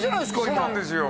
今そうなんですよ